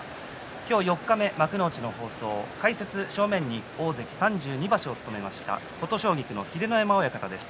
今日、四日目、幕内の放送解説、正面に大関３２場所務めました琴奨菊の秀ノ山親方です。